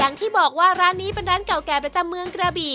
อย่างที่บอกว่าร้านนี้เป็นร้านเก่าแก่ประจำเมืองกระบี่